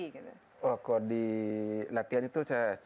oh kalau di latihan itu